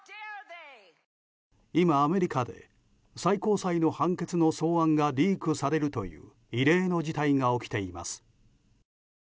今、アメリカで最高裁の判決の草案がリークされるという異例の事態が起きています。